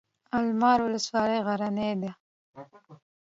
د المار ولسوالۍ غرنۍ ده